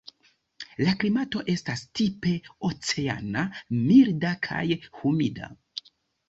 La klimato estas tipe oceana, milda kaj humida.